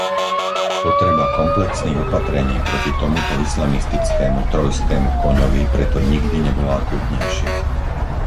Potreba komplexných opatrení proti tomuto islamistickému trójskemu koňovi preto nikdy nebola akútnejšia.